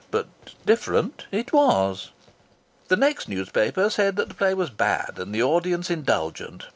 But different it was. The next newspaper said the play was bad and the audience indulgent.